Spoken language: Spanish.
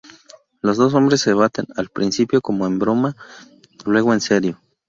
Los dos hombres se baten, al principio como en broma, luego en serio.